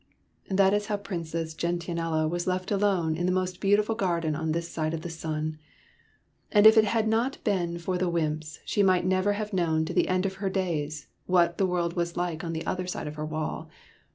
That was how the Princess Gentianella was left alone in the most beautiful garden on this side of the sun. And if it had not been for the wymps, she might never have known to the end of her days what the world was like on the other side of her wall.